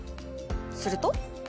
すると。